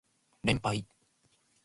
連敗